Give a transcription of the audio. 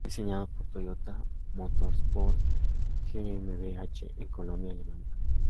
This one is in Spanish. El chasis fue diseñado por Toyota Motorsport GmbH en Colonia, Alemania.